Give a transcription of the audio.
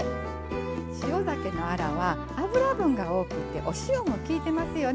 塩ざけのアラは脂分が多くてお塩もきいてますよね。